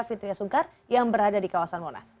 fitria sungkar yang berada di kawasan monas